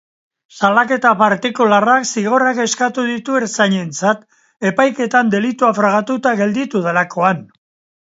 Salaketa partikularrak zigorrak eskatu ditu ertzainentzat, epaiketan delitua frogatuta gelditu delakoan.